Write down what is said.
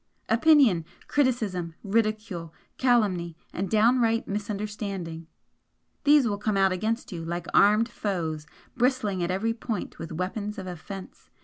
Opinion, criticism, ridicule, calumny and downright misunderstanding these will come out against you like armed foes, bristling at every point with weapons of offence.